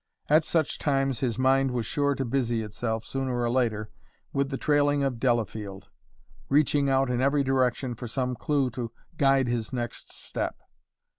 At such times his mind was sure to busy itself, sooner or later, with the trailing of Delafield, reaching out in every direction for some clew to guide his next step.